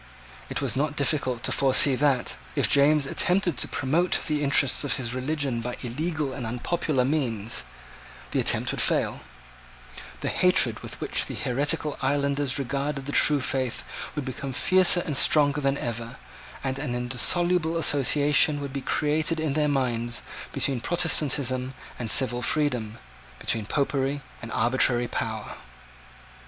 It was not difficult to foresee that, if James attempted to promote the interests of his religion by illegal and unpopular means, the attempt would fail; the hatred with which the heretical islanders regarded the true faith would become fiercer and stronger than ever; and an indissoluble association would be created in their minds between Protestantism and civil freedom, between Popery and arbitrary power.